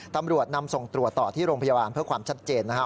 ตำรวจนำส่งตรวจต่อที่โรงพยาบาลเพื่อความชัดเจนนะครับ